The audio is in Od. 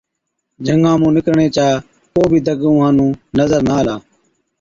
جھنگا مُون نِڪرڻي چا ڪو بِي دگ اُونهان نُون نظر نہ آلا۔